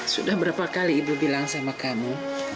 sudah berapa kali ibu bilang sama kamu